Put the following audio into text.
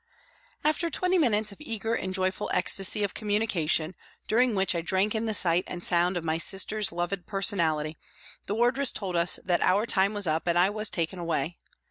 After twenty minutes of eager and joyful ecstasy of communication, during which I drank in the sight and sound of my sister's loved personality, the wardress told us that our time was up and I was taken away.